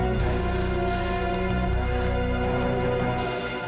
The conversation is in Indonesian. terima kasih mbak